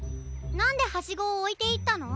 なんでハシゴをおいていったの？